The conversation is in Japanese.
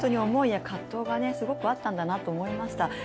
思いや葛藤がすごくあったんだなと思いました。